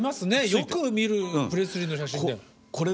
よく見るプレスリーの写真で。